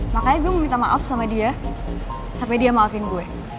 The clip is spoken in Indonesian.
makanya gue mau minta maaf sama dia sampai dia maafin gue